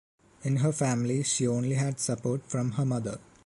In her family she only had support from her mother.